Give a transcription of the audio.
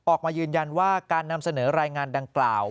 ออกมายืนยันว่าการนำเสนอรายงานดังกล่าว